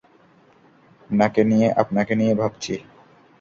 আপনাকে নিয়ে ভাবছি।